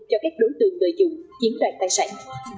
cho các đối tượng tội dụng chiến đoàn tài sản